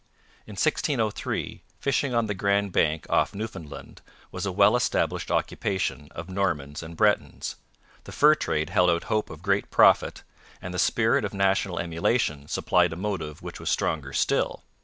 In 1603 fishing on the Grand Bank off Newfoundland was a well established occupation of Normans and Bretons, the fur trade held out hope of great profit, and the spirit of national emulation supplied a motive which was stronger still.